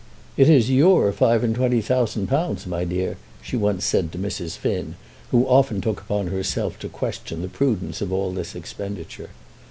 "It is your five and twenty thousand pounds, my dear," she once said to Mrs. Finn, who often took upon herself to question the prudence of all this expenditure.